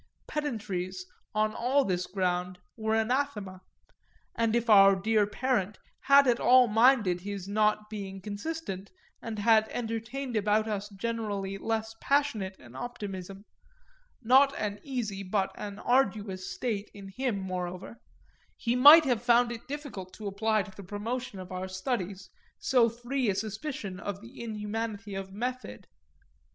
Pedantries, on all this ground, were anathema; and if our dear parent had at all minded his not being consistent, and had entertained about us generally less passionate an optimism (not an easy but an arduous state in him moreover,) he might have found it difficult to apply to the promotion of our studies so free a suspicion of the inhumanity of Method.